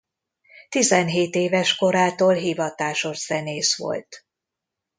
Tizenhét éves korától hivatásos zenész volt.